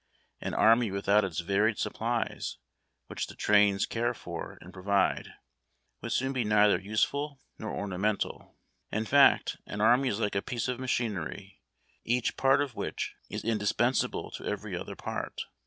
An army without its varied supplies, which the trains care for and provide, would soon be neither useful nor ornamental. In fact, an army is like a piece of machinery, each part of which is indis pensable to every other part.